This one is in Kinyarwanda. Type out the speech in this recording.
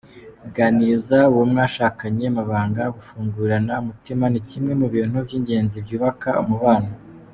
Kuganiriza uwo mwashakanye amabanga, gufungurirana umutima ni kimwe mu bintu by’ingenzi cyubaka umubano.